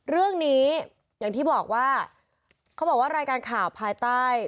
เรื่องนี้อย่างที่บอกว่าเขาบอกว่ารายการข่าวภายใต้